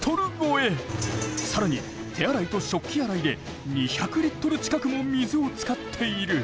更に手洗いと食器洗いで２００リットル近くも水を使っている。